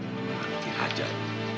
orang ini harus dihajar